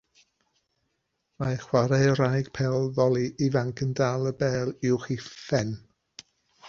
Mae chwaraewraig pêl foli ifanc yn dal y bêl uwch ei phen.